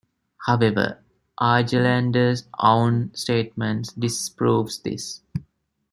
However, Argelander's own statement disproves this.